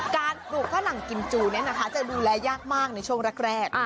การปลูกผ้านังกิมจูจะดูแลยากมากในช่วงแรก